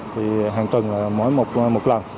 thì hàng tuần là mỗi một lần